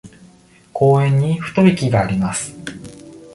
公園に太い木があります。